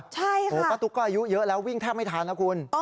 ใช่ค่ะโอ้ป้าตุ๊กก็อายุเยอะแล้ววิ่งแทบไม่ทันนะคุณ